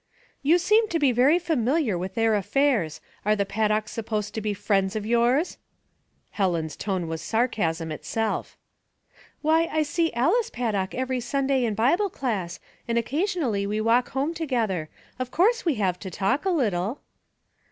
" You seem to be very familiar with their affairs. Are the Paddocks supposed to be friends of yours ?" Helen's tone was sarcasm itself. '* Why,* I see Alice Paddook every Sunday in Bible class, and occasionally we walk home to gether. Of course we have to talk a little."